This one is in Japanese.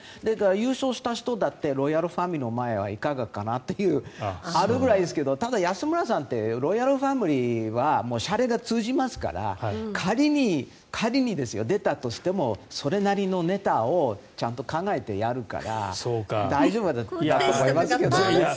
優勝した人だってロイヤルファミリーの前はいかがかなというのがあるぐらいですけどただ安村さんってロイヤルファミリーはしゃれが通じますから仮に出たとしてもそれなりのネタをちゃんと考えてやるから大丈夫だと思いますけどね。